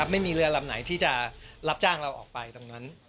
ไม่มีเรือลำไหนที่จะรับจ้างเราออกไปตรงนั้น